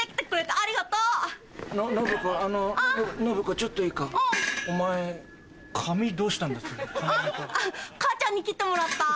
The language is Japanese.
あっ母ちゃんに切ってもらった。